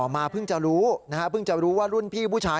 ภายในโรงเรียนต่อมาเพิ่งจะรู้ว่ารุ่นพี่ผู้ชาย